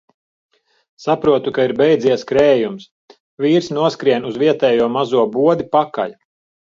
Saprotu, ka ir beidzies krējums. Vīrs noskrien uz vietējo mazo bodi pakaļ.